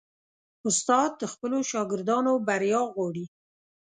استاد د خپلو شاګردانو بریا غواړي.